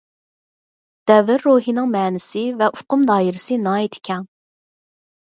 دەۋر روھىنىڭ مەنىسى ۋە ئۇقۇم دائىرىسى ناھايىتى كەڭ.